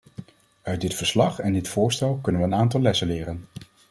Uit dit verslag en dit voorstel kunnen we een aantal lessen leren.